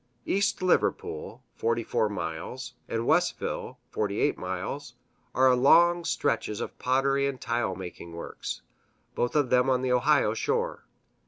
East Liverpool (44 miles) and Wellsville (48 miles) are long stretches of pottery and tile making works, both of them on the Ohio shore.